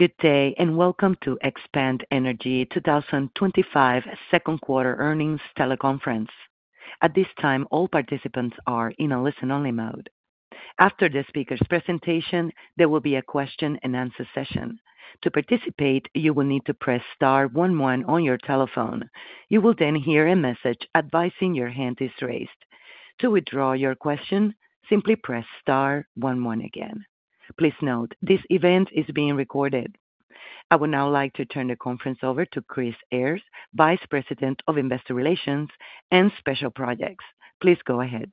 Good day and welcome to Expand Energy 2025 second quarter earnings teleconference. At this time, all participants are in a listen-only mode. After the speaker's presentation, there will be a question-and-answer session. To participate, you will need to press star one one on your telephone. You will then hear a message advising your hand is raised. To withdraw your question, simply press star one one again. Please note, this event is being recorded. I would now like to turn the conference over to Chris Ayres, Vice President of Investor Relations and Special Projects. Please go ahead.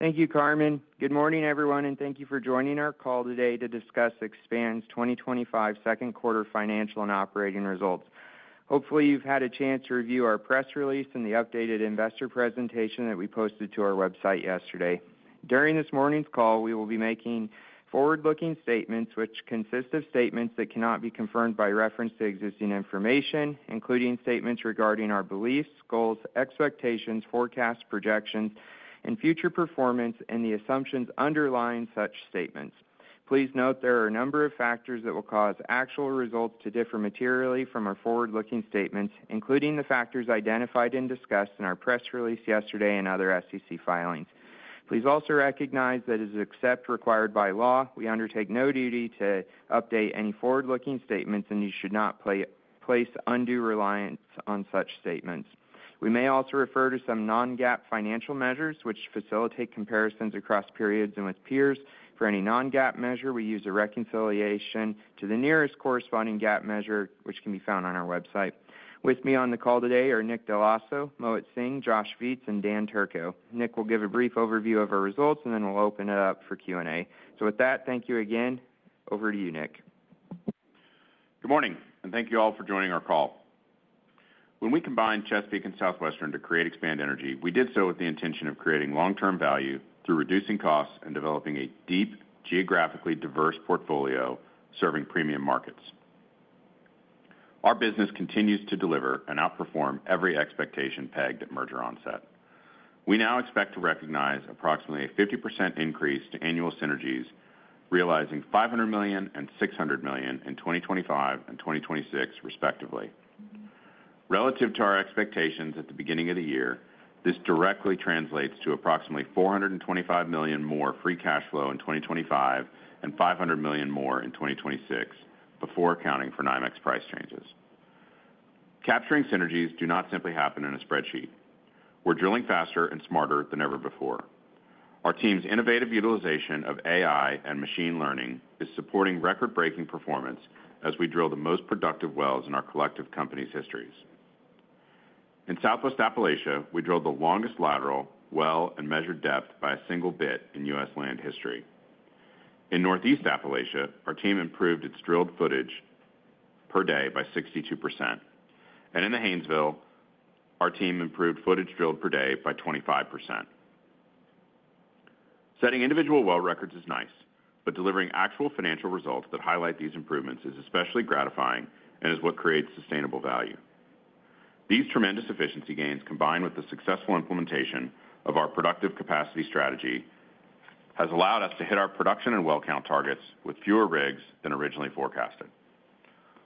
Thank you, Carmen. Good morning, everyone, and thank you for joining our call today to discuss Expand's 2025 second quarter financial and operating results. Hopefully, you've had a chance to review our press release and the updated investor presentation that we posted to our website yesterday. During this morning's call, we will be making forward-looking statements which consist of statements that cannot be confirmed by reference to existing information, including statements regarding our beliefs, goals, expectations, forecasts, projections, and future performance, and the assumptions underlying such statements. Please note there are a number of factors that will cause actual results to differ materially from our forward-looking statements, including the factors identified and discussed in our press release yesterday and other SEC filings. Please also recognize that, as except required by law, we undertake no duty to update any forward-looking statements, and you should not place undue reliance on such statements. We may also refer to some non-GAAP financial measures which facilitate comparisons across periods and with peers. For any non-GAAP measure, we use a reconciliation to the nearest corresponding GAAP measure which can be found on our website. With me on the call today are Nick Dell'Osso, Mohit Singh, Josh Viets, and Dan Turco. Nick will give a brief overview of our results, and then we'll open it up for Q&A. With that, thank you again. Over to you, Nick. Good morning, and thank you all for joining our call. When we combined Chesapeake Energy and Southwestern Energy to create Expand Energy, we did so with the intention of creating long-term value through reducing costs and developing a deep, geographically diverse portfolio serving premium markets. Our business continues to deliver and outperform every expectation pegged at merger onset. We now expect to recognize approximately a 50% increase to annual synergies, realizing $500 million and $600 million in 2025 and 2026, respectively. Relative to our expectations at the beginning of the year, this directly translates to approximately $425 million more free cash flow in 2025 and $500 million more in 2026, before accounting for NYMEX price changes. Capturing synergies do not simply happen in a spreadsheet. We're drilling faster and smarter than ever before. Our team's innovative utilization of AI and machine learning is supporting record-breaking performance as we drill the most productive wells in our collective company's histories. In Southwest Appalachia, we drilled the longest lateral well and measured depth by a single bit in U.S. land history. In Northeast Appalachia, our team improved its drilled footage per day by 62%. In the Haynesville, our team improved footage drilled per day by 25%. Setting individual well records is nice, but delivering actual financial results that highlight these improvements is especially gratifying and is what creates sustainable value. These tremendous efficiency gains, combined with the successful implementation of our productive capacity strategy, have allowed us to hit our production and well count targets with fewer rigs than originally forecasted.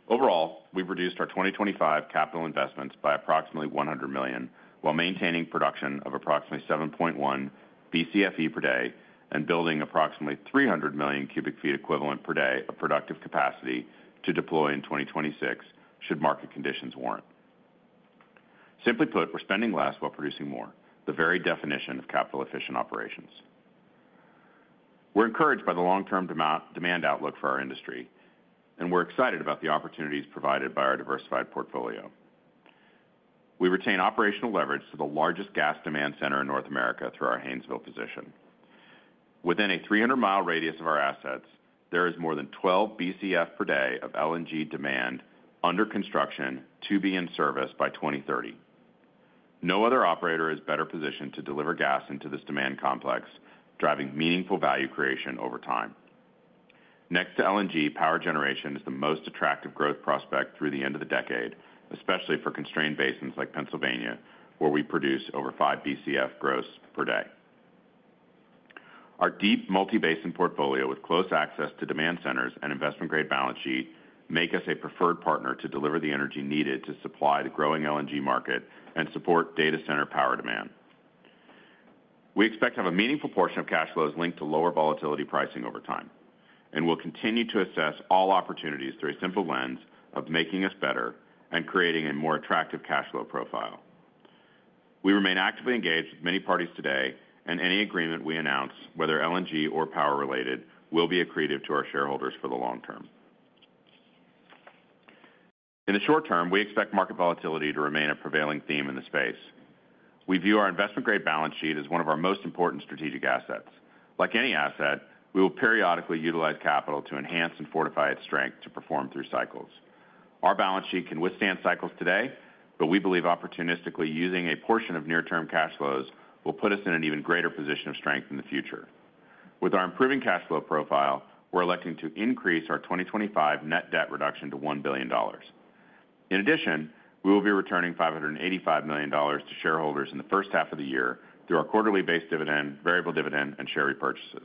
Overall, we've reduced our 2025 capital investments by approximately $100 million while maintaining production of approximately 7.1 BCFE per day and building approximately 300 million cu ft equivalent per day of productive capacity to deploy in 2026, should market conditions warrant. Simply put, we're spending less while producing more, the very definition of capital-efficient operations. We're encouraged by the long-term demand outlook for our industry, and we're excited about the opportunities provided by our diversified portfolio. We retain operational leverage to the largest gas demand center in North America through our Haynesville position. Within a 300-mile radius of our assets, there is more than 12 BCF per day of LNG demand under construction to be in service by 2030. No other operator is better positioned to deliver gas into this demand complex, driving meaningful value creation over time. Next to LNG, power generation is the most attractive growth prospect through the end of the decade, especially for constrained basins like Pennsylvania, where we produce over 5 BCF gross per day. Our deep multi-basin portfolio, with close access to demand centers and investment-grade balance sheet, makes us a preferred partner to deliver the energy needed to supply the growing LNG market and support data center power demand. We expect to have a meaningful portion of cash flows linked to lower volatility pricing over time, and we'll continue to assess all opportunities through a simple lens of making us better and creating a more attractive cash flow profile. We remain actively engaged with many parties today, and any agreement we announce, whether LNG or power-related, will be accretive to our shareholders for the long term. In the short term, we expect market volatility to remain a prevailing theme in the space. We view our investment-grade balance sheet as one of our most important strategic assets. Like any asset, we will periodically utilize capital to enhance and fortify its strength to perform through cycles. Our balance sheet can withstand cycles today, but we believe opportunistically using a portion of near-term cash flows will put us in an even greater position of strength in the future. With our improving cash flow profile, we're electing to increase our 2025 net debt reduction to $1 billion. In addition, we will be returning $585 million to shareholders in the first half of the year through our quarterly-based dividend, variable dividend, and share repurchases.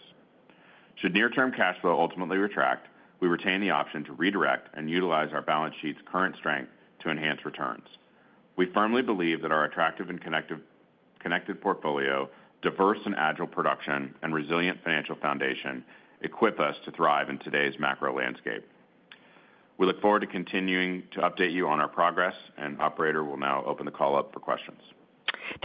Should near-term cash flow ultimately retract, we retain the option to redirect and utilize our balance sheet's current strength to enhance returns. We firmly believe that our attractive and connected portfolio, diverse and agile production, and resilient financial foundation equip us to thrive in today's macro landscape. We look forward to continuing to update you on our progress, and Operator will now open the call up for questions.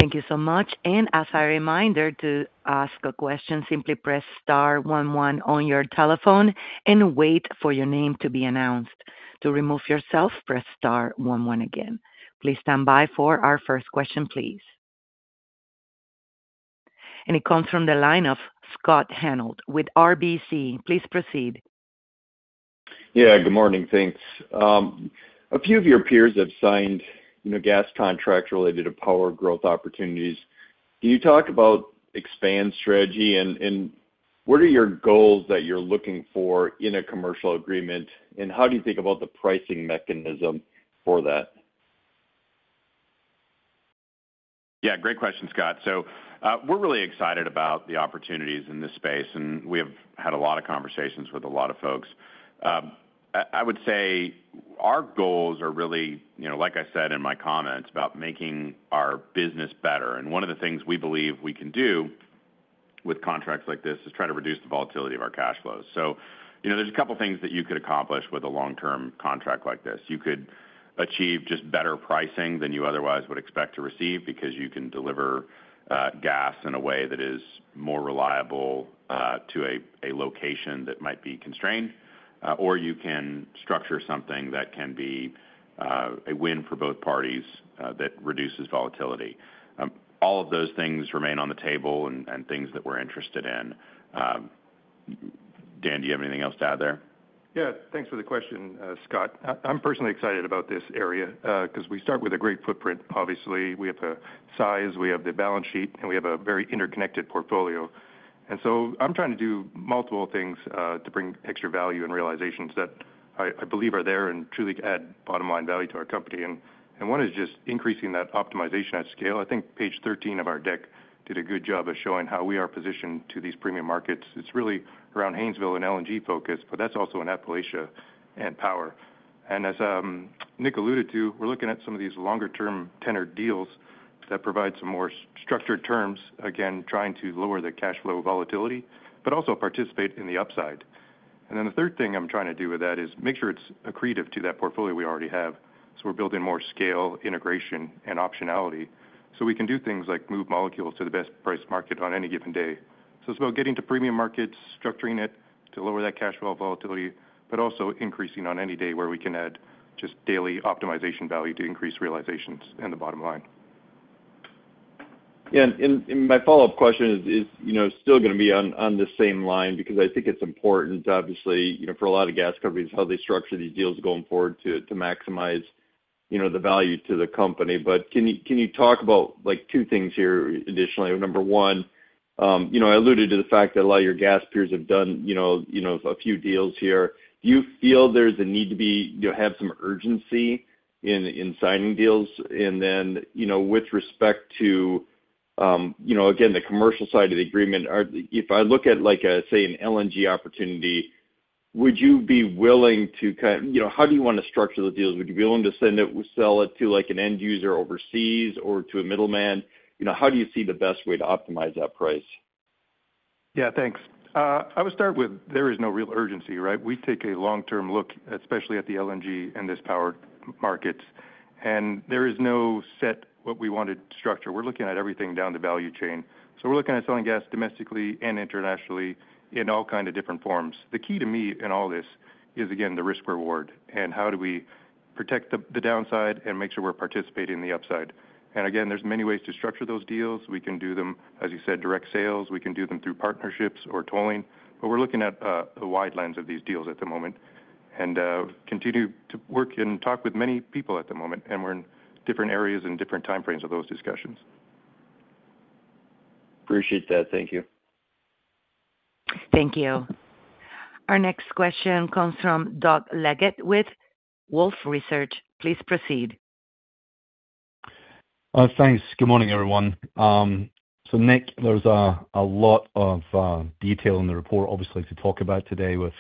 Thank you so much. As a reminder, to ask a question, simply press star one one on your telephone and wait for your name to be announced. To remove yourself, press star one one again. Please stand by for our first question, please. It comes from the line of Scott Hanold with RBC. Please proceed. Yeah, good morning. Thanks. A few of your peers have signed gas contracts related to power growth opportunities. Can you talk about Expand's strategy, and what are your goals that you're looking for in a commercial agreement, and how do you think about the pricing mechanism for that? Yeah, great question, Scott. We are really excited about the opportunities in this space, and we have had a lot of conversations with a lot of folks. I would say our goals are really, like I said in my comments, about making our business better. One of the things we believe we can do with contracts like this is try to reduce the volatility of our cash flows. There are a couple of things that you could accomplish with a long-term contract like this. You could achieve just better pricing than you otherwise would expect to receive because you can deliver gas in a way that is more reliable to a location that might be constrained, or you can structure something that can be a win for both parties that reduces volatility. All of those things remain on the table and things that we are interested in. Dan, do you have anything else to add there? Yeah, thanks for the question, Scott. I'm personally excited about this area because we start with a great footprint, obviously. We have a size, we have the balance sheet, and we have a very interconnected portfolio. I'm trying to do multiple things to bring extra value and realizations that I believe are there and truly add bottom-line value to our company. One is just increasing that optimization at scale. I think page 13 of our deck did a good job of showing how we are positioned to these premium markets. It's really around Haynesville and LNG focus, but that's also in Appalachia and power. As Nick alluded to, we're looking at some of these longer-term tenor deals that provide some more structured terms, again, trying to lower the cash flow volatility, but also participate in the upside. The third thing I'm trying to do with that is make sure it's accretive to that portfolio we already have. We're building more scale, integration, and optionality so we can do things like move molecules to the best price market on any given day. It's about getting to premium markets, structuring it to lower that cash flow volatility, but also increasing on any day where we can add just daily optimization value to increase realizations and the bottom line. Yeah, and my follow-up question is still going to be on the same line because I think it's important, obviously, for a lot of gas companies how they structure these deals going forward to maximize the value to the company. Can you talk about two things here additionally? Number one, I alluded to the fact that a lot of your gas peers have done a few deals here. Do you feel there's a need to have some urgency in signing deals? With respect to the commercial side of the agreement, if I look at, say, an LNG opportunity, would you be willing to kind of, how do you want to structure the deals? Would you be willing to sell it to an end user overseas or to a middleman? How do you see the best way to optimize that price? Yeah, thanks. I would start with there is no real urgency, right? We take a long-term look, especially at the LNG and this power market. There is no set what we wanted structure. We're looking at everything down the value chain. We're looking at selling gas domestically and internationally in all kinds of different forms. The key to me in all this is, again, the risk-reward and how do we protect the downside and make sure we're participating in the upside. Again, there are many ways to structure those deals. We can do them, as you said, direct sales. We can do them through partnerships or tolling. We're looking at a wide lens of these deals at the moment and continue to work and talk with many people at the moment. We're in different areas and different timeframes of those discussions. Appreciate that. Thank you. Thank you. Our next question comes from Doug Leggate with Wolfe Research. Please proceed. Thanks. Good morning, everyone. Nick, there's a lot of detail in the report, obviously, to talk about today with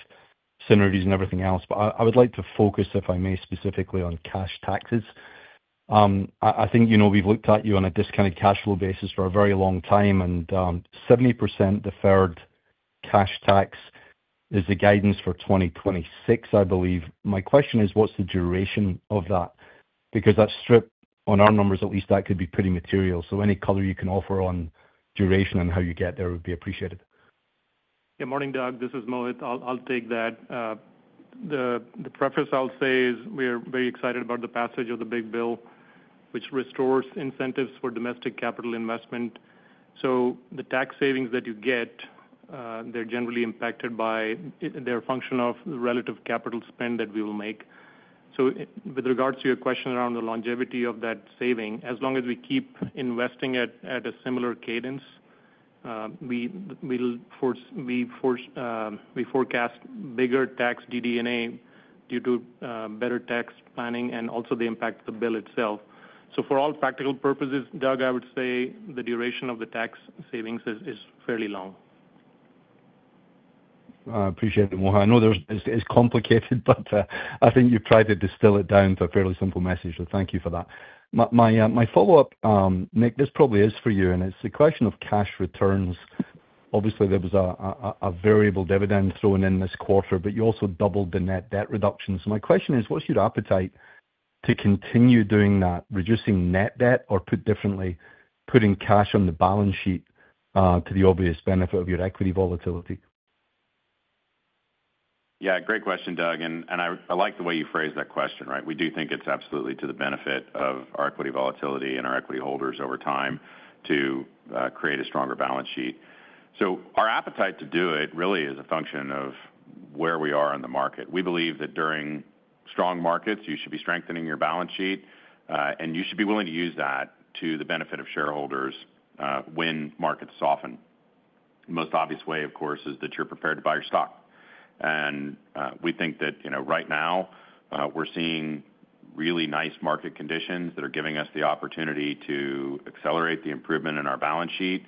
synergies and everything else. I would like to focus, if I may, specifically on cash taxes. I think we've looked at you on a discounted cash flow basis for a very long time, and 70% deferred cash tax is the guidance for 2026, I believe. My question is, what's the duration of that? Because that strip, on our numbers at least, that could be pretty material. Any color you can offer on duration and how you get there would be appreciated. Good morning, Doug. This is Mohit. I'll take that. The preface I'll say is we are very excited about the passage of the big bill, which restores incentives for domestic capital investment. The tax savings that you get, they're generally impacted by their function of relative capital spend that we will make. With regards to your question around the longevity of that saving, as long as we keep investing at a similar cadence. We forecast bigger tax DD&A due to better tax planning and also the impact of the bill itself. For all practical purposes, Doug, I would say the duration of the tax savings is fairly long. Appreciate it, Mohit. I know it's complicated, but I think you've tried to distill it down to a fairly simple message. Thank you for that. My follow-up, Nick, this probably is for you, and it's the question of cash returns. Obviously, there was a variable dividend thrown in this quarter, but you also doubled the net debt reduction. My question is, what's your appetite to continue doing that, reducing net debt, or put differently, putting cash on the balance sheet to the obvious benefit of your equity volatility? Yeah, great question, Doug. And I like the way you phrased that question, right? We do think it's absolutely to the benefit of our equity volatility and our equity holders over time to create a stronger balance sheet. So our appetite to do it really is a function of where we are in the market. We believe that during strong markets, you should be strengthening your balance sheet, and you should be willing to use that to the benefit of shareholders. When markets soften, the most obvious way, of course, is that you're prepared to buy your stock. And we think that right now we're seeing really nice market conditions that are giving us the opportunity to accelerate the improvement in our balance sheet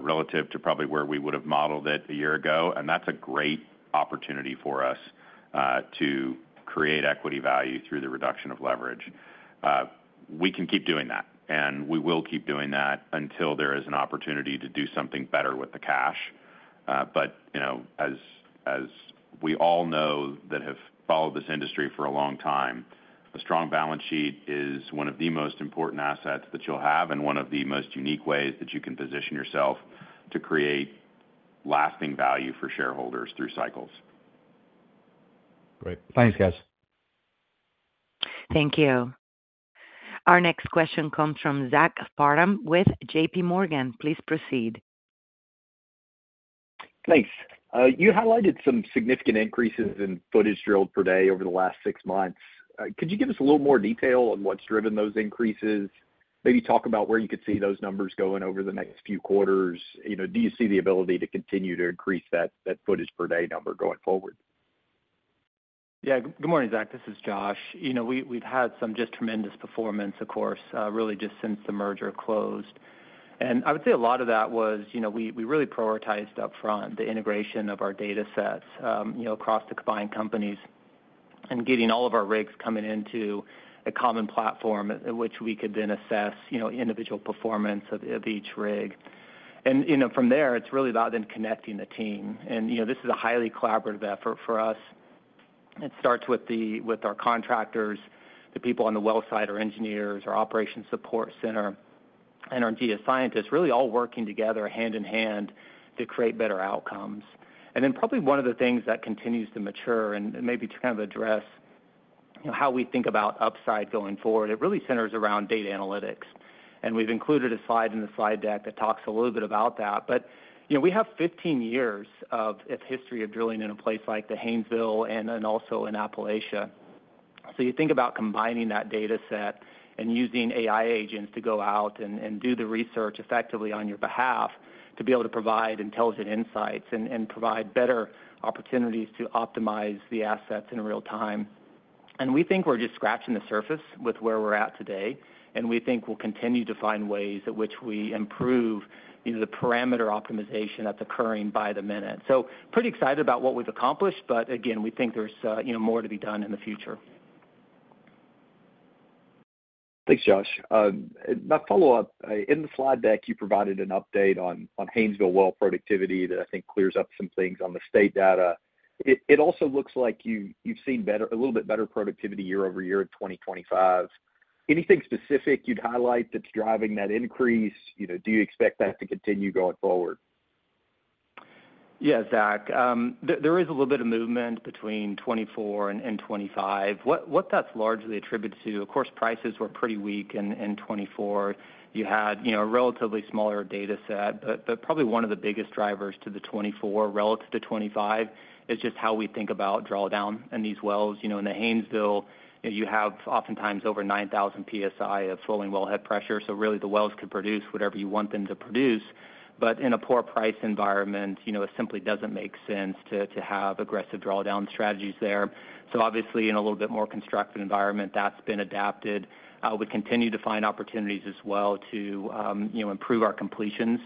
relative to probably where we would have modeled it a year ago. And that's a great opportunity for us to create equity value through the reduction of leverage. We can keep doing that, and we will keep doing that until there is an opportunity to do something better with the cash. But as we all know that have followed this industry for a long time, a strong balance sheet is one of the most important assets that you'll have and one of the most unique ways that you can position yourself to create lasting value for shareholders through cycles. Great. Thanks, guys. Thank you. Our next question comes from Zach Parham with JPMorgan. Please proceed. Thanks. You highlighted some significant increases in footage drilled per day over the last six months. Could you give us a little more detail on what's driven those increases? Maybe talk about where you could see those numbers going over the next few quarters. Do you see the ability to continue to increase that footage per day number going forward? Yeah. Good morning, Zach. This is Josh. We've had some just tremendous performance, of course, really just since the merger closed. I would say a lot of that was we really prioritized upfront the integration of our data sets across the combined companies and getting all of our rigs coming into a common platform in which we could then assess individual performance of each rig. From there, it's really about then connecting the team. This is a highly collaborative effort for us. It starts with our contractors, the people on the well side, our engineers, our operation support center, and our geoscientists, really all working together hand in hand to create better outcomes. Probably one of the things that continues to mature and maybe to kind of address how we think about upside going forward, it really centers around data analytics. We've included a slide in the slide deck that talks a little bit about that. We have 15 years of history of drilling in a place like the Haynesville and also in Appalachia. You think about combining that data set and using AI agents to go out and do the research effectively on your behalf to be able to provide intelligent insights and provide better opportunities to optimize the assets in real time. We think we're just scratching the surface with where we're at today. We think we'll continue to find ways at which we improve the parameter optimization that's occurring by the minute. Pretty excited about what we've accomplished, but again, we think there's more to be done in the future. Thanks, Josh. My follow-up. In the slide deck, you provided an update on Haynesville well productivity that I think clears up some things on the state data. It also looks like you've seen a little bit better productivity year over year in 2025. Anything specific you'd highlight that's driving that increase? Do you expect that to continue going forward? Yeah, Zach. There is a little bit of movement between 2024 and 2025. What that's largely attributed to, of course, prices were pretty weak in 2024. You had a relatively smaller data set, but probably one of the biggest drivers to the 2024 relative to 2025 is just how we think about drawdown in these wells. In the Haynesville, you have oftentimes over 9,000 PSI of flowing wellhead pressure. Really, the wells could produce whatever you want them to produce. In a poor price environment, it simply doesn't make sense to have aggressive drawdown strategies there. Obviously, in a little bit more constructive environment, that's been adapted. We continue to find opportunities as well to improve our completions.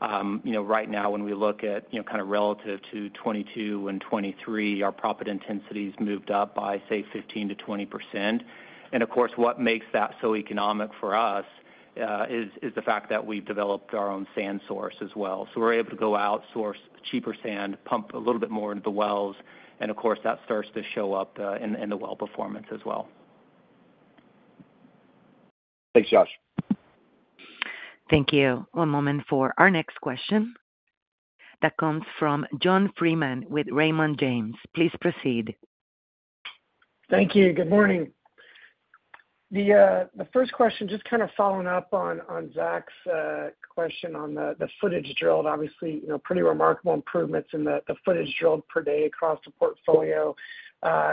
Right now, when we look at kind of relative to 2022 and 2023, our profit intensity has moved up by, say, 15%-20%. What makes that so economic for us is the fact that we've developed our own sand source as well. We're able to go outsource cheaper sand, pump a little bit more into the wells, and that starts to show up in the well performance as well. Thanks, Josh. Thank you. One moment for our next question. That comes from John Freeman with Raymond James. Please proceed. Thank you. Good morning. The first question, just kind of following up on Zach's question on the footage drilled, obviously, pretty remarkable improvements in the footage drilled per day across the portfolio,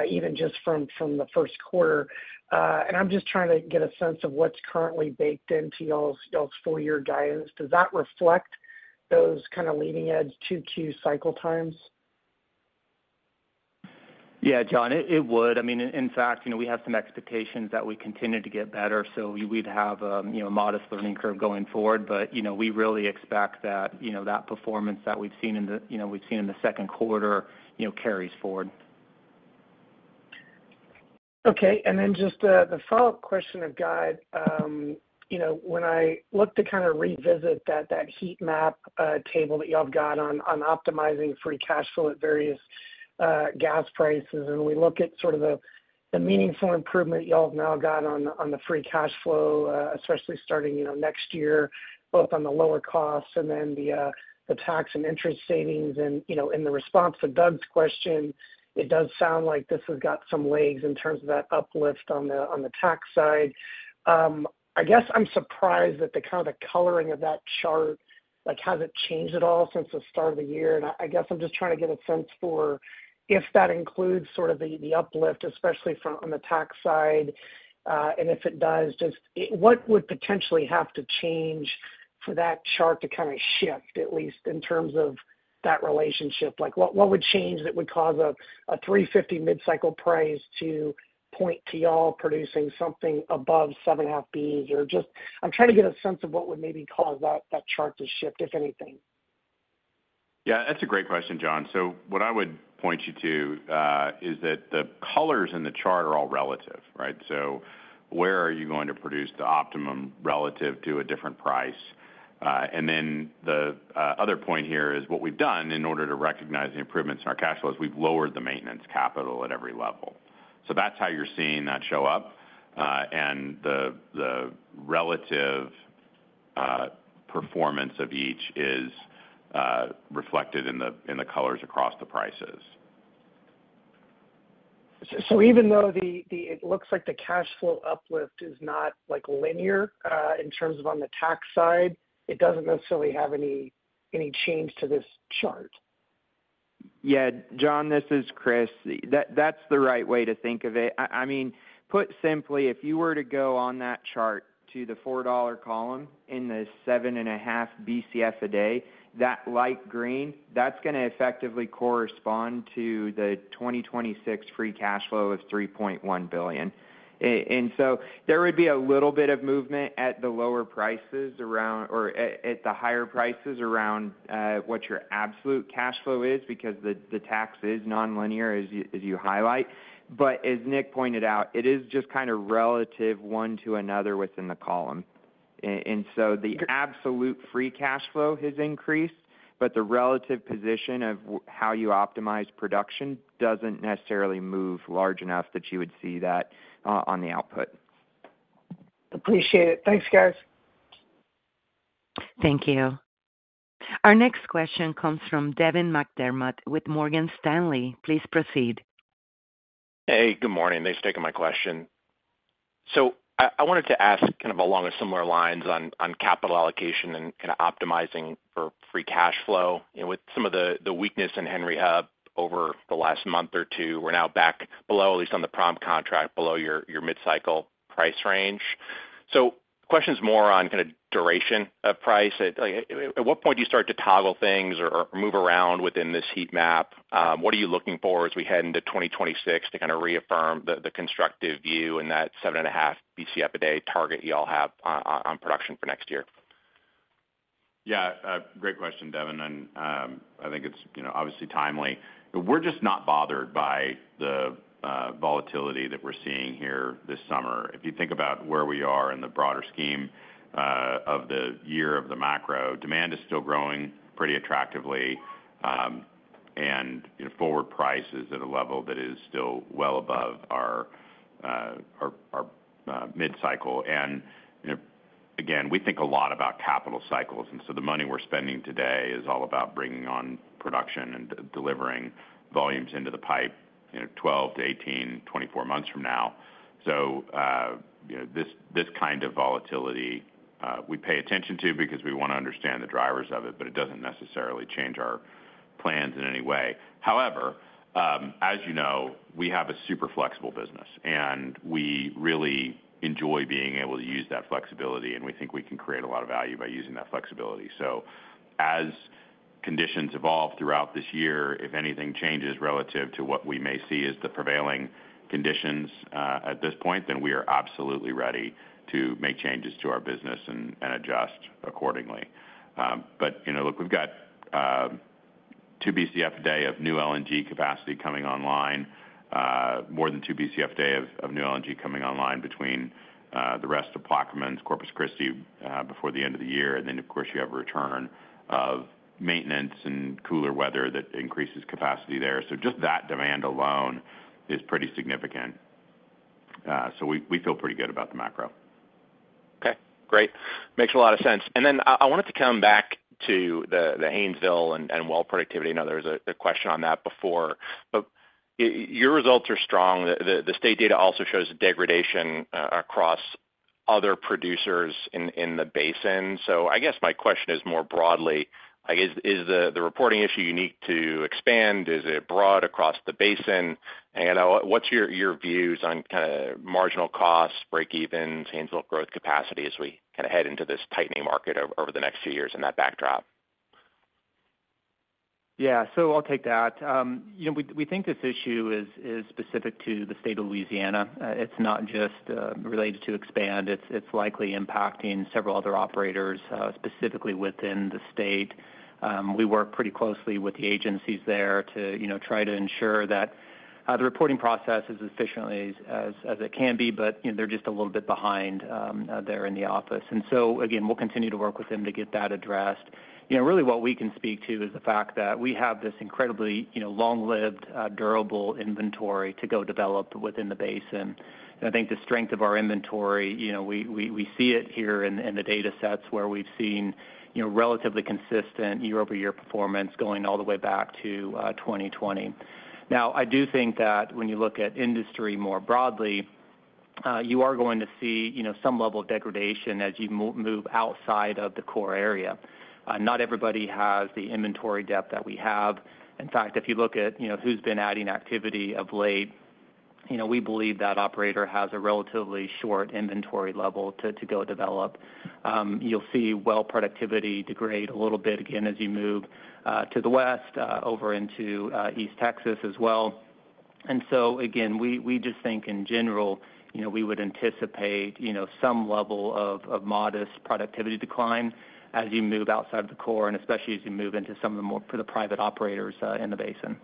even just from the first quarter. I am just trying to get a sense of what is currently baked into y'all's four-year guidance. Does that reflect those kind of leading-edge 2Q cycle times? Yeah, John, it would. I mean, in fact, we have some expectations that we continue to get better. I mean, we'd have a modest learning curve going forward, but we really expect that that performance that we've seen in the second quarter carries forward. Okay. And then just the follow-up question of guide. When I look to kind of revisit that heat map table that y'all have got on optimizing free cash flow at various gas prices, and we look at sort of the meaningful improvement y'all have now got on the free cash flow, especially starting next year, both on the lower costs and then the tax and interest savings. In the response to Doug's question, it does sound like this has got some legs in terms of that uplift on the tax side. I guess I'm surprised that the kind of coloring of that chart hasn't changed at all since the start of the year. I guess I'm just trying to get a sense for if that includes sort of the uplift, especially on the tax side. And if it does, just what would potentially have to change for that chart to kind of shift, at least in terms of that relationship? What would change that would cause a $3.50 mid-cycle price to point to y'all producing something above 7.5 BCF? I'm trying to get a sense of what would maybe cause that chart to shift, if anything. Yeah, that's a great question, John. What I would point you to is that the colors in the chart are all relative, right? Where are you going to produce the optimum relative to a different price? The other point here is what we've done in order to recognize the improvements in our cash flow is we've lowered the maintenance capital at every level. That's how you're seeing that show up. The relative performance of each is reflected in the colors across the prices. Even though it looks like the cash flow uplift is not linear in terms of on the tax side, it does not necessarily have any change to this chart. Yeah, John, this is Chris. That's the right way to think of it. I mean, put simply, if you were to go on that chart to the $4 column in the 7.5 BCF a day, that light green, that's going to effectively correspond to the 2026 free cash flow of $3.1 billion. There would be a little bit of movement at the lower prices or at the higher prices around what your absolute cash flow is because the tax is non-linear, as you highlight. As Nick pointed out, it is just kind of relative one to another within the column. The absolute free cash flow has increased, but the relative position of how you optimize production doesn't necessarily move large enough that you would see that on the output. Appreciate it. Thanks, guys. Thank you. Our next question comes from Devin McDermott with Morgan Stanley. Please proceed. Hey, good morning. Thanks for taking my question. I wanted to ask kind of along similar lines on capital allocation and kind of optimizing for free cash flow. With some of the weakness in Henry Hub over the last month or two, we're now back below, at least on the prompt contract, below your mid-cycle price range. The question is more on kind of duration of price. At what point do you start to toggle things or move around within this heat map? What are you looking for as we head into 2026 to kind of reaffirm the constructive view and that 7.5 BCF a day target y'all have on production for next year? Yeah, great question, Devin. I think it's obviously timely. We're just not bothered by the volatility that we're seeing here this summer. If you think about where we are in the broader scheme of the year, of the macro, demand is still growing pretty attractively. Forward price is at a level that is still well above our mid-cycle. Again, we think a lot about capital cycles. The money we're spending today is all about bringing on production and delivering volumes into the pipe 12,18, 24 months from now. This kind of volatility we pay attention to because we want to understand the drivers of it, but it doesn't necessarily change our plans in any way. However, as you know, we have a super flexible business, and we really enjoy being able to use that flexibility, and we think we can create a lot of value by using that flexibility. As conditions evolve throughout this year, if anything changes relative to what we may see as the prevailing conditions at this point, then we are absolutely ready to make changes to our business and adjust accordingly. We've got 2 BCF a day of new LNG capacity coming online, more than 2 BCF a day of new LNG coming online between the rest of Plaquemines, Corpus Christi before the end of the year. Of course, you have a return of maintenance and cooler weather that increases capacity there. Just that demand alone is pretty significant. We feel pretty good about the macro. Okay. Great. Makes a lot of sense. I wanted to come back to the Haynesville and well productivity. I know there was a question on that before, but your results are strong. The state data also shows degradation across other producers in the basin. I guess my question is more broadly, is the reporting issue unique to Expand? Is it broad across the basin? What's your views on kind of marginal costs, breakevens, Haynesville growth capacity as we kind of head into this tightening market over the next few years in that backdrop? Yeah. I'll take that. We think this issue is specific to the state of Louisiana. It's not just related to Expand. It's likely impacting several other operators specifically within the state. We work pretty closely with the agencies there to try to ensure that the reporting process is as efficient as it can be, but they're just a little bit behind there in the office. Again, we'll continue to work with them to get that addressed. Really, what we can speak to is the fact that we have this incredibly long-lived, durable inventory to go develop within the basin. I think the strength of our inventory, we see it here in the data sets where we've seen relatively consistent year-over-year performance going all the way back to 2020. I do think that when you look at industry more broadly, you are going to see some level of degradation as you move outside of the core area. Not everybody has the inventory depth that we have. In fact, if you look at who's been adding activity of late, we believe that operator has a relatively short inventory level to go develop. You'll see well productivity degrade a little bit again as you move to the west over into East Texas as well. Again, we just think in general, we would anticipate some level of modest productivity decline as you move outside of the core, and especially as you move into some of the more private operators in the basin.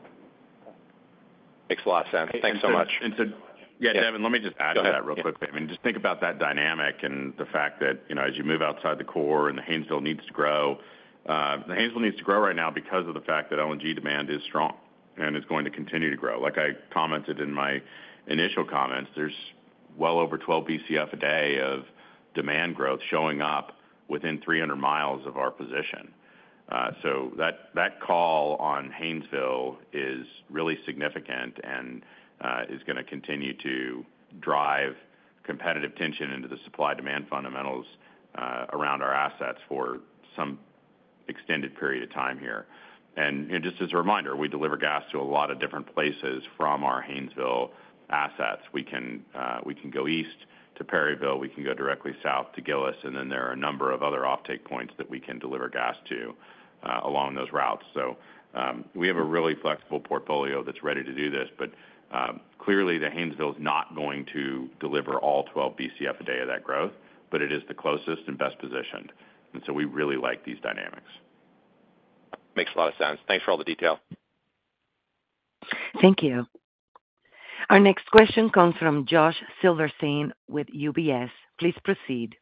Makes a lot of sense. Thanks so much. Yeah, Devin, let me just add to that real quickly. I mean, just think about that dynamic and the fact that as you move outside the core and the Haynesville needs to grow. The Haynesville needs to grow right now because of the fact that LNG demand is strong and is going to continue to grow. Like I commented in my initial comments, there is well over 12 BCF a day of demand growth showing up within 300 mi of our position. That call on Haynesville is really significant and is going to continue to drive competitive tension into the supply-demand fundamentals around our assets for some extended period of time here. Just as a reminder, we deliver gas to a lot of different places from our Haynesville assets. We can go east to Perryville. We can go directly south to Gillis. There are a number of other offtake points that we can deliver gas to along those routes. We have a really flexible portfolio that is ready to do this. Clearly, the Haynesville is not going to deliver all 12 BCF a day of that growth, but it is the closest and best positioned. We really like these dynamics. Makes a lot of sense. Thanks for all the detail. Thank you. Our next question comes from Josh Silverstein with UBS. Please proceed.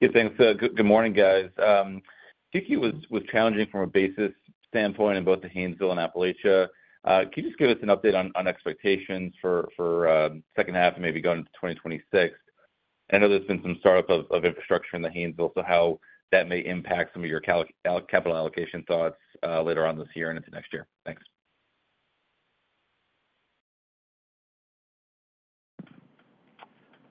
Hey, thanks. Good morning, guys. Q2 was challenging from a basis standpoint in both the Haynesville and Appalachia. Can you just give us an update on expectations for the second half and maybe going into 2026? I know there's been some startup of infrastructure in the Haynesville, so how that may impact some of your capital allocation thoughts later on this year and into next year. Thanks.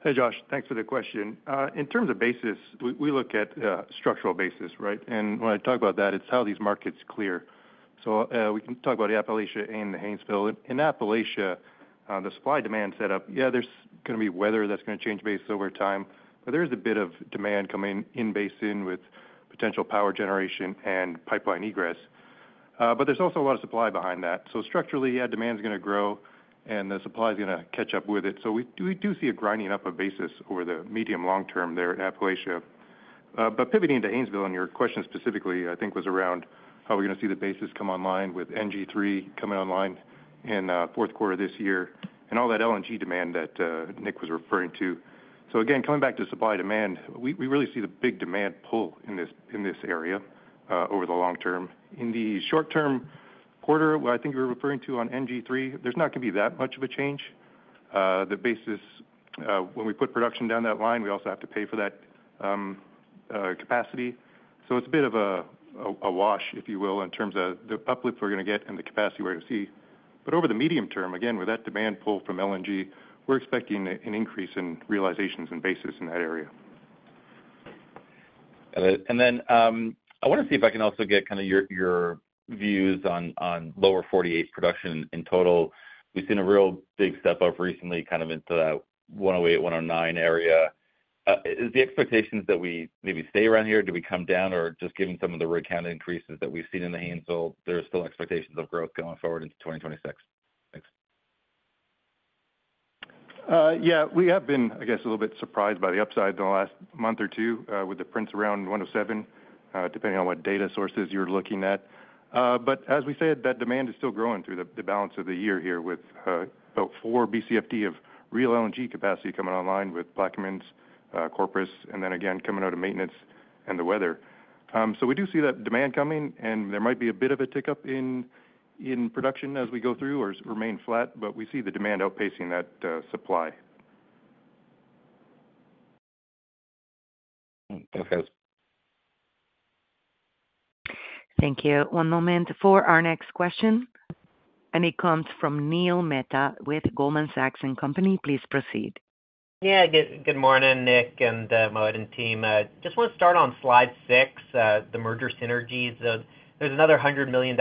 Hey, Josh. Thanks for the question. In terms of basis, we look at structural basis, right? When I talk about that, it's how these markets clear. We can talk about the Appalachia and the Haynesville. In Appalachia, the supply-demand setup, yeah, there's going to be weather that's going to change basis over time. There is a bit of demand coming in basin with potential power generation and pipeline egress. There's also a lot of supply behind that. Structurally, yeah, demand is going to grow and the supply is going to catch up with it. We do see a grinding up of basis over the medium-long term there in Appalachia. Pivoting to Haynesville, your question specifically, I think, was around how we're going to see the basis come online with NG3 coming online in the fourth quarter of this year and all that LNG demand that Nick was referring to. Again, coming back to supply-demand, we really see the big demand pull in this area over the long term. In the short-term quarter, I think you were referring to on NG3, there's not going to be that much of a change. The basis, when we put production down that line, we also have to pay for that capacity. It's a bit of a wash, if you will, in terms of the uplift we're going to get and the capacity we're going to see. Over the medium term, again, with that demand pull from LNG, we're expecting an increase in realizations and basis in that area. I want to see if I can also get kind of your views on lower 48 production in total. We've seen a real big step up recently kind of into that 108, 109 area. Is the expectation that we maybe stay around here? Do we come down or just given some of the rig count increases that we've seen in the Haynesville, there are still expectations of growth going forward into 2026? Thanks. Yeah, we have been, I guess, a little bit surprised by the upside in the last month or two with the prints around 107, depending on what data sources you're looking at. As we said, that demand is still growing through the balance of the year here with about 4 BCFD of real LNG capacity coming online with Plaquemines, Corpus, and then again, coming out of maintenance and the weather. We do see that demand coming, and there might be a bit of a tick up in production as we go through or remain flat, but we see the demand outpacing that supply. Thank you. One moment for our next question. It comes from Neil Mehta with Goldman Sachs and Company. Please proceed. Yeah, good morning, Nick and other team. Just want to start on slide six, the merger synergies. There is another $100 million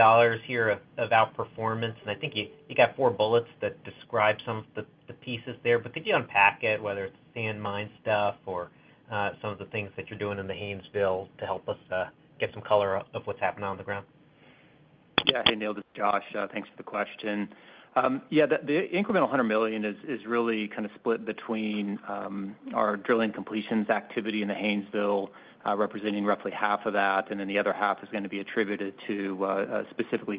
here of outperformance. I think you got four bullets that describe some of the pieces there. Could you unpack it, whether it is sand mine stuff or some of the things that you are doing in the Haynesville to help us get some color of what is happening on the ground? Yeah. Hey, Neil, this is Josh. Thanks for the question. Yeah, the incremental $100 million is really kind of split between our drilling completions activity in the Haynesville, representing roughly half of that. The other half is going to be attributed to specifically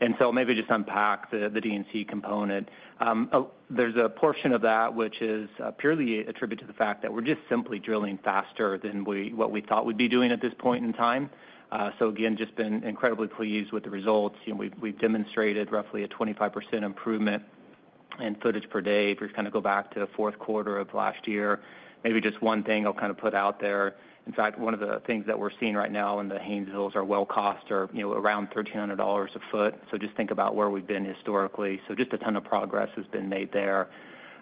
G&A. Maybe just unpack the D&C component. There is a portion of that which is purely attributed to the fact that we're just simply drilling faster than what we thought we'd be doing at this point in time. Again, just been incredibly pleased with the results. We've demonstrated roughly a 25% improvement in footage per day. If we kind of go back to the fourth quarter of last year, maybe just one thing I'll kind of put out there. In fact, one of the things that we're seeing right now in the Haynesville is our well costs are around $1,300 a foot. Just think about where we've been historically. Just a ton of progress has been made there.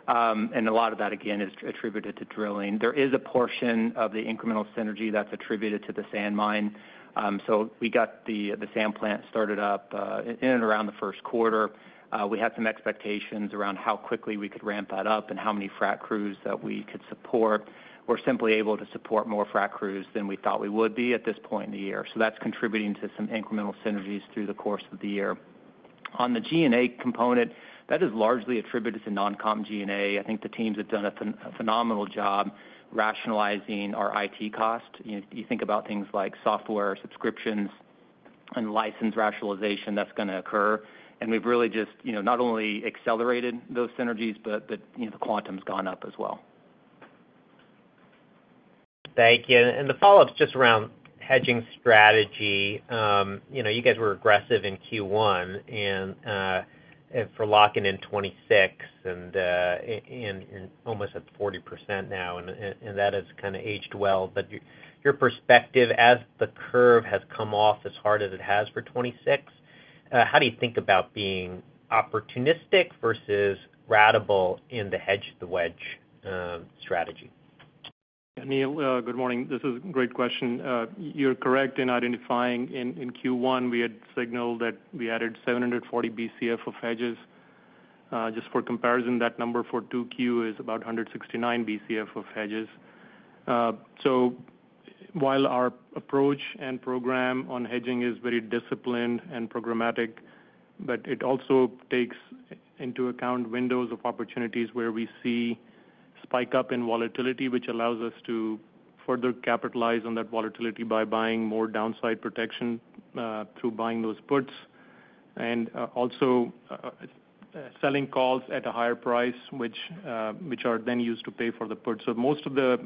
A lot of that, again, is attributed to drilling. There is a portion of the incremental synergy that's attributed to the sand mine. We got the sand plant started up in and around the first quarter. We had some expectations around how quickly we could ramp that up and how many frac crews that we could support. We're simply able to support more frac crews than we thought we would be at this point in the year. That's contributing to some incremental synergies through the course of the year. On the G&A component, that is largely attributed to non-com G&A. I think the teams have done a phenomenal job rationalizing our IT cost. You think about things like software subscriptions and license rationalization that's going to occur. We've really just not only accelerated those synergies, but the quantum's gone up as well. Thank you. The follow-up's just around hedging strategy. You guys were aggressive in Q1 for locking in 2026 and you're almost at 40% now. That has kind of aged well. Your perspective, as the curve has come off as hard as it has for 2026, how do you think about being opportunistic versus ratable in the hedge-to-wedge strategy? Neil, good morning. This is a great question. You're correct in identifying in Q1, we had signaled that we added 740 BCF of hedges. Just for comparison, that number for 2Q is about 169 BCF of hedges. While our approach and program on hedging is very disciplined and programmatic, it also takes into account windows of opportunities where we see spike-up in volatility, which allows us to further capitalize on that volatility by buying more downside protection through buying those puts and also selling calls at a higher price, which are then used to pay for the puts. Most of the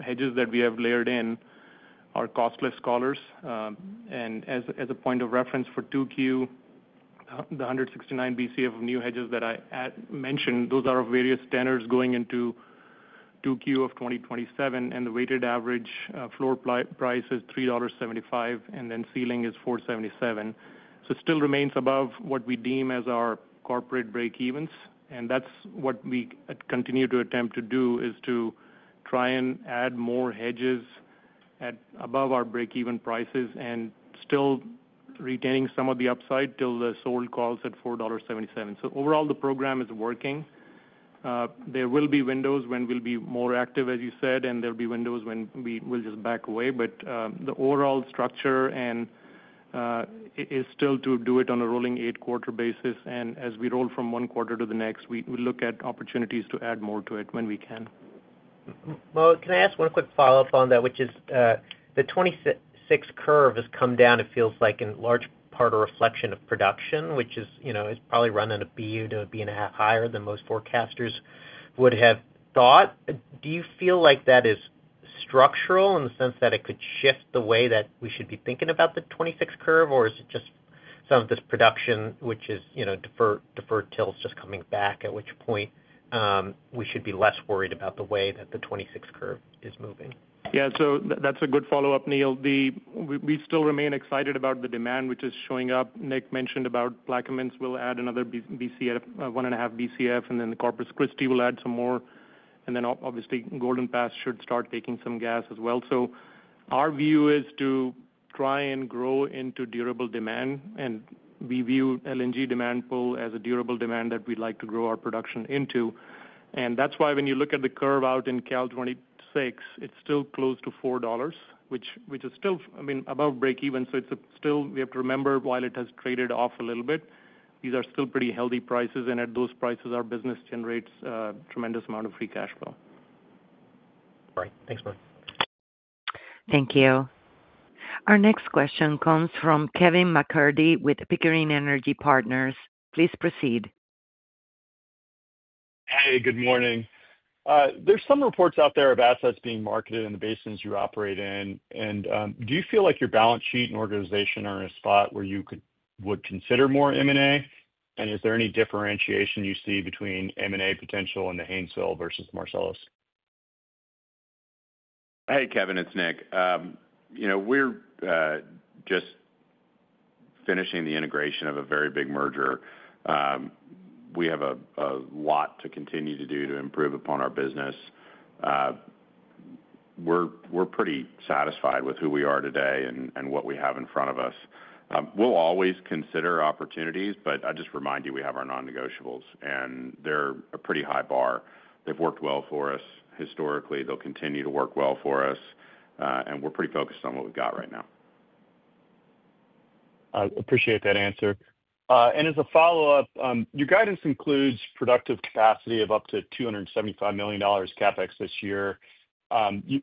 hedges that we have layered in are costless collars. As a point of reference for 2Q, the 169 BCF of new hedges that I mentioned, those are of various standards going into 2Q of 2027. The weighted average floor price is $3.75, and then ceiling is $4.77. This still remains above what we deem as our corporate breakevens. That's what we continue to attempt to do, to try and add more hedges above our breakeven prices and still retaining some of the upside till the sold calls at $4.77. Overall, the program is working. There will be windows when we'll be more active, as you said, and there will be windows when we will just back away. The overall structure is still to do it on a rolling eight-quarter basis. As we roll from one quarter to the next, we look at opportunities to add more to it when we can. Can I ask one quick follow-up on that, which is the 2026 curve has come down, it feels like, in large part a reflection of production, which is probably running a BCF to be a half higher than most forecasters would have thought. Do you feel like that is structural in the sense that it could shift the way that we should be thinking about the 2026 curve, or is it just some of this production, which is deferred tills just coming back, at which point we should be less worried about the way that the 2026 curve is moving? Yeah, so that's a good follow-up, Neil. We still remain excited about the demand, which is showing up. Nick mentioned about Plaquemines will add another 1.5 BCF, and then the Corpus Christi will add some more. Obviously, Golden Pass should start taking some gas as well. Our view is to try and grow into durable demand. We view LNG demand pull as a durable demand that we'd like to grow our production into. That is why when you look at the curve out in Cal 2026, it is still close to $4, which is still, I mean, above breakeven. We have to remember, while it has traded off a little bit, these are still pretty healthy prices. At those prices, our business generates a tremendous amount of free cash flow. All right. Thanks, Mark. Thank you. Our next question comes from Kevin McCurdy with Pickering Energy Partners. Please proceed. Hey, good morning. There are some reports out there of assets being marketed in the basins you operate in. Do you feel like your balance sheet and organization are in a spot where you would consider more M&A? Is there any differentiation you see between M&A potential in the Haynesville versus Marcellus? Hey, Kevin, it's Nick. We're just finishing the integration of a very big merger. We have a lot to continue to do to improve upon our business. We're pretty satisfied with who we are today and what we have in front of us. We'll always consider opportunities, but I just remind you we have our non-negotiables, and they're a pretty high bar. They've worked well for us historically. They'll continue to work well for us. We're pretty focused on what we've got right now. I appreciate that answer. As a follow-up, your guidance includes productive capacity of up to $275 million CapEx this year.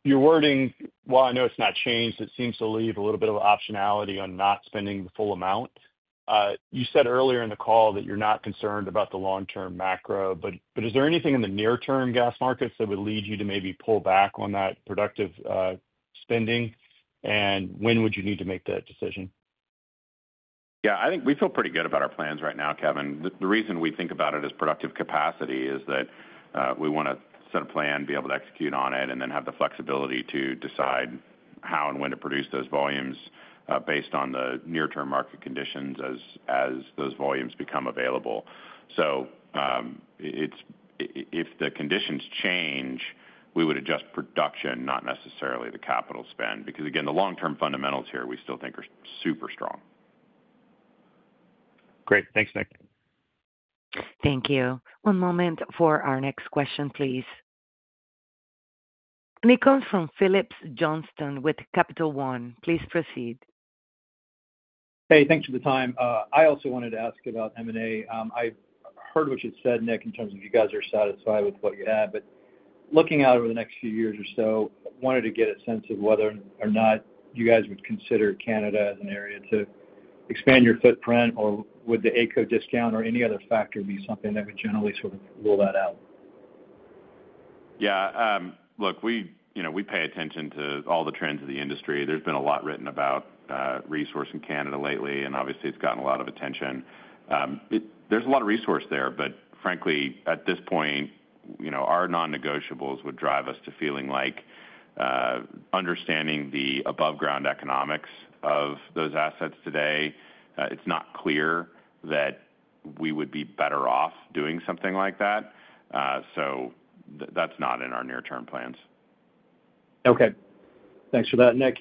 Your wording, while I know it's not changed, seems to leave a little bit of optionality on not spending the full amount. You said earlier in the call that you're not concerned about the long-term macro, but is there anything in the near-term gas markets that would lead you to maybe pull back on that productive spending? When would you need to make that decision? Yeah, I think we feel pretty good about our plans right now, Kevin. The reason we think about it as productive capacity is that we want to set a plan, be able to execute on it, and then have the flexibility to decide how and when to produce those volumes based on the near-term market conditions as those volumes become available. If the conditions change, we would adjust production, not necessarily the capital spend, because again, the long-term fundamentals here we still think are super strong. Great. Thanks, Nick. Thank you. One moment for our next question, please. It comes from Phillips Johnston with Capital One. Please proceed. Hey, thanks for the time. I also wanted to ask about M&A. I've heard what you said, Nick, in terms of you guys are satisfied with what you have. Looking out over the next few years or so, I wanted to get a sense of whether or not you guys would consider Canada as an area to expand your footprint, or would the ACO discount or any other factor be something that would generally sort of rule that out? Yeah. Look, we pay attention to all the trends of the industry. There's been a lot written about resource in Canada lately, and obviously, it's gotten a lot of attention. There's a lot of resource there, but frankly, at this point, our non-negotiables would drive us to feeling like understanding the above-ground economics of those assets today, it's not clear that we would be better off doing something like that. That is not in our near-term plans. Okay. Thanks for that, Nick.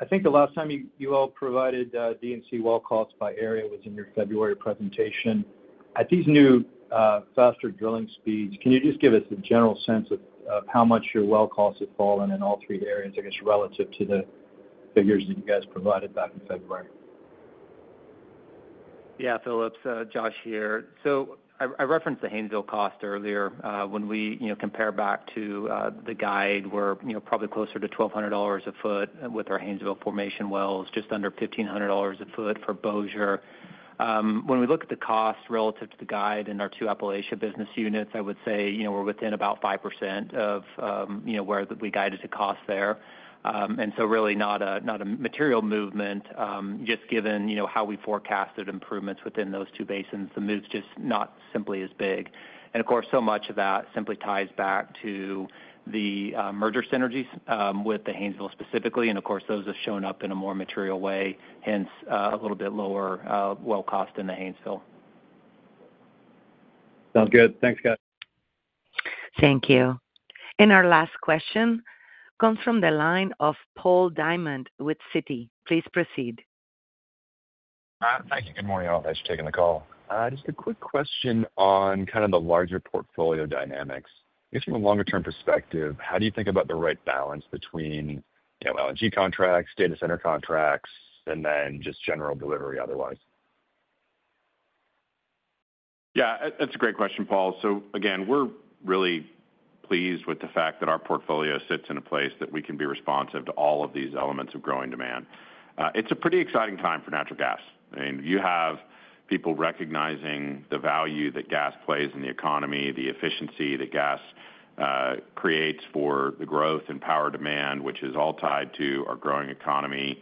I think the last time you all provided D&C well cost by area was in your February presentation. At these new, faster drilling speeds, can you just give us a general sense of how much your well costs have fallen in all three areas, I guess, relative to the figures that you guys provided back in February? Yeah, Phillips, Josh here. I referenced the Haynesville cost earlier. When we compare back to the guide, we're probably closer to $1,200 a foot with our Haynesville formation wells, just under $1,500 a foot for Bossier. When we look at the cost relative to the guide and our two Appalachia business units, I would say we're within about 5% of where we guided to cost there. Really not a material movement. Just given how we forecasted improvements within those two basins, the move's just not simply as big. Of course, so much of that simply ties back to the merger synergies with the Haynesville specifically. Those have shown up in a more material way, hence a little bit lower well cost in the Haynesville. Sounds good. Thanks, guys. Thank you. Our last question comes from the line of Paul Diamond with Citi. Please proceed. Thank you. Good morning, all. Thanks for taking the call. Just a quick question on kind of the larger portfolio dynamics. Just from a longer-term perspective, how do you think about the right balance between LNG contracts, data center contracts, and then just general delivery otherwise? Yeah, that's a great question, Paul. Again, we're really pleased with the fact that our portfolio sits in a place that we can be responsive to all of these elements of growing demand. It's a pretty exciting time for natural gas. You have people recognizing the value that gas plays in the economy, the efficiency that gas creates for the growth in power demand, which is all tied to our growing economy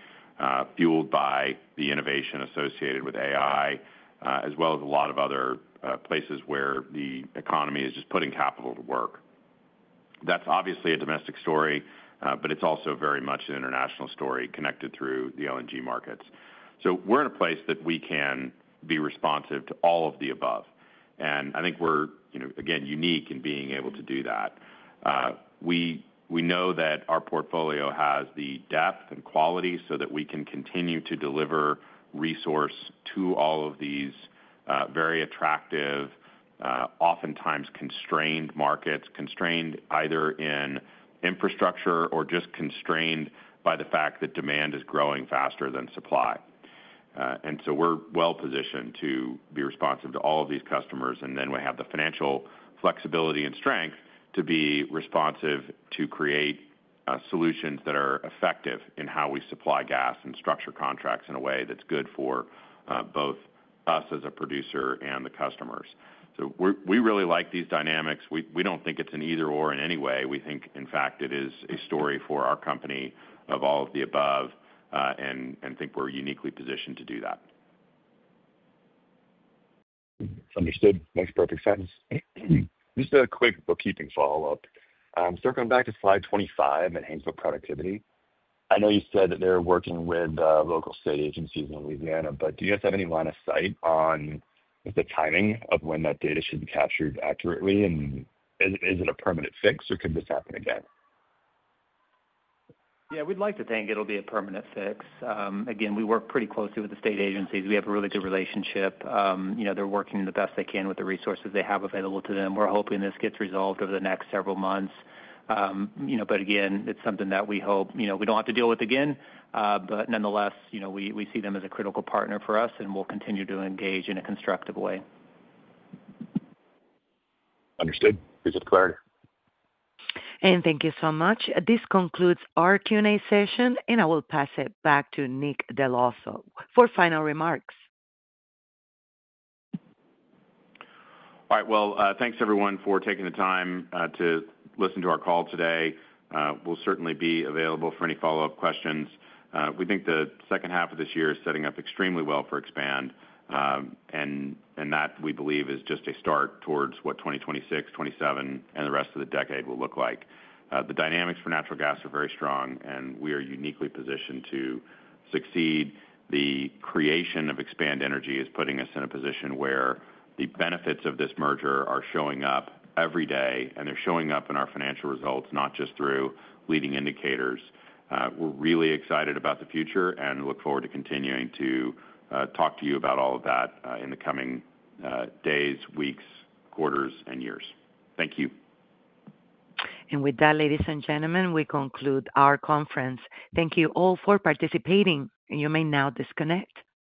fueled by the innovation associated with AI, as well as a lot of other places where the economy is just putting capital to work. That's obviously a domestic story, but it's also very much an international story connected through the LNG markets. We're in a place that we can be responsive to all of the above. I think we're, again, unique in being able to do that. We know that our portfolio has the depth and quality so that we can continue to deliver resource to all of these very attractive, oftentimes constrained markets, constrained either in infrastructure or just constrained by the fact that demand is growing faster than supply. We are well positioned to be responsive to all of these customers. We have the financial flexibility and strength to be responsive to create solutions that are effective in how we supply gas and structure contracts in a way that's good for both us as a producer and the customers. We really like these dynamics. We do not think it's an either/or in any way. In fact, it is a story for our company of all of the above and we think we're uniquely positioned to do that. Understood. Makes perfect sense. Just a quick bookkeeping follow-up. Circling back to slide 25 and Haynesville productivity. I know you said that they're working with local state agencies in Louisiana, but do you guys have any line of sight on the timing of when that data should be captured accurately? Is it a permanent fix, or could this happen again? Yeah, we'd like to think it'll be a permanent fix. Again, we work pretty closely with the state agencies. We have a really good relationship. They're working the best they can with the resources they have available to them. We're hoping this gets resolved over the next several months. Again, it's something that we hope we don't have to deal with again. Nonetheless, we see them as a critical partner for us, and we'll continue to engage in a constructive way. Understood. Appreciate the clarity. Thank you so much. This concludes our Q&A session, and I will pass it back to Nick Dell'Osso for final remarks. All right. Thanks everyone for taking the time to listen to our call today. We'll certainly be available for any follow-up questions. We think the second half of this year is setting up extremely well for Expand. That, we believe, is just a start towards what 2026, 2027, and the rest of the decade will look like. The dynamics for natural gas are very strong, and we are uniquely positioned to succeed. The creation of Expand Energy is putting us in a position where the benefits of this merger are showing up every day, and they're showing up in our financial results, not just through leading indicators. We're really excited about the future and look forward to continuing to talk to you about all of that in the coming days, weeks, quarters, and years. Thank you. With that, ladies and gentlemen, we conclude our conference. Thank you all for participating. You may now disconnect.